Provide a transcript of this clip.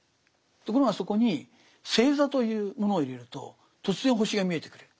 ところがそこに星座というものを入れると突然星が見えてくる。